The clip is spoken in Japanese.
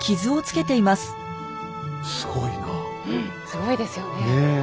うんすごいですよね。